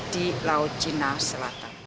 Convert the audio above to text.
di laut cina selatan